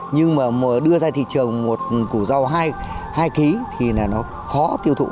nhưng mà đưa ra thị trường một củ rau hai hai kg thì là nó khó tiêu thụ